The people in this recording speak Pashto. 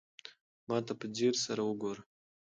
ما ته په ځير سره وگوره.